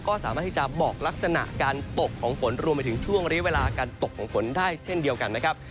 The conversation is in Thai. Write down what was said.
ก็สามารถที่จะบอกลักษณะการตกของฝนรวมไปถึงช่วงเรียกเวลาการตกของฝนได้เช่นเดียวกันนะครับ